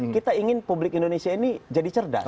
kita ingin publik indonesia ini jadi cerdas